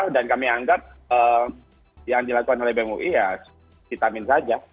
dan kami anggap yang dilakukan oleh bem ui ya vitamin saja